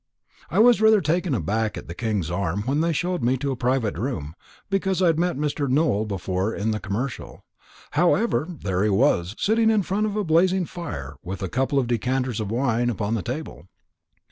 I was rather taken aback at the King's Arms when they showed me to a private room, because I'd met Mr. Nowell before in the Commercial; however, there he was, sitting in front of a blazing fire, and with a couple of decanters of wine upon the table.